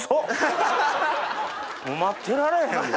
もう待ってられへんわ。